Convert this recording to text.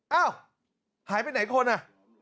อ้าวหายไปไหนคนอ่ะ